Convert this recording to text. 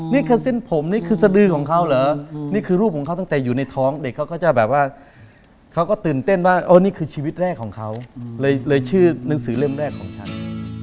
นี่คือเส้นผมนี่คือสดือของเขาเหรอนี่คือรูปของเขาตั้งแต่อยู่ในท้องเด็กเขาก็จะแบบว่าเขาก็ตื่นเต้นว่านี่คือชีวิตแรกของเขาเลยชื่อหนังสือเล่มแรกของฉัน